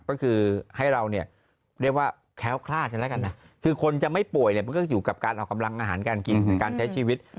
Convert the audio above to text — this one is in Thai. ก็คือให้เราเนี่ยเรียกว่าแค้วคลาดกันแล้วกันนะคือคนจะไม่ป่วยเนี่ยมันก็อยู่กับการเอากำลังอาหารการกินการใช้ชีวิต